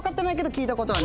聞いたことは。